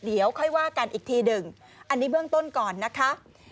เดี๋ยวค่อยว่ากันอีกทีหนึ่งอันนี้เบื้องต้นก่อนนะคะ